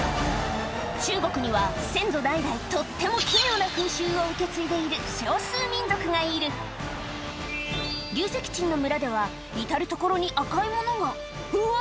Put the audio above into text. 中国には先祖代々とっても奇妙な風習を受け継いでいる少数民族がいる竜脊鎮の村では至る所に赤いものがうわ！